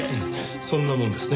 そんなもんですね。